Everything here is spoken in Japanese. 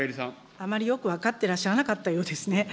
あまりよく分かってらっしゃらなかったようですね。